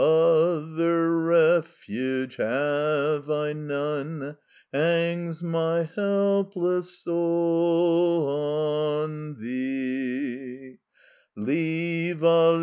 ''Other refuge ha ave I none, Hangs my helpless soul on Thee; Leave — ah!